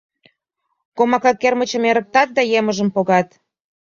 Комака кермычым ырыктат да емыжым погат.